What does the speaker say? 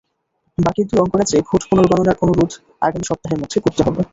বাকি দুই অঙ্গরাজ্যে ভোট পুনর্গণনার অনুরোধ আগামী সপ্তাহের মধ্যে করতে হবে।